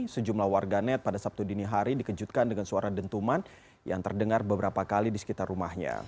sejumlah warganet pada sabtu dini hari dikejutkan dengan suara dentuman yang terdengar beberapa kali di sekitar rumahnya